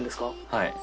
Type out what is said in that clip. はい。